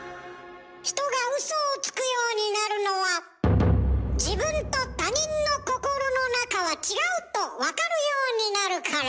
人がウソをつくようになるのは自分と他人の心の中は違うとわかるようになるから。